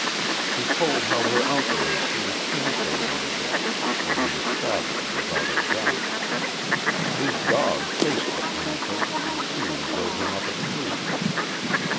She told how her uncle had seen a panther one day when he was travelling without a gun. His dog chased the panther and soon drove him up a tree.